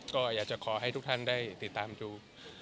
ก็อยากจะขอให้ทุกท่านได้ติดตามดู